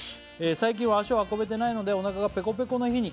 「最近は足を運べてないのでお腹がぺこぺこの日に」